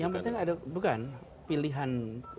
yang penting ada bukan pilihan